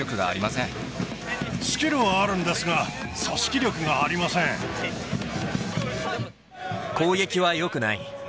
スキルはあるんですが、攻撃はよくない。